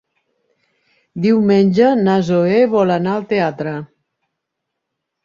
Diumenge na Zoè vol anar al teatre.